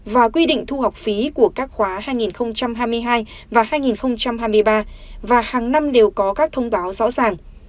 và quy định thu học phí của các khóa hai nghìn hai mươi hai và hai nghìn hai mươi ba và hàng năm đều có các thông báo rõ ràng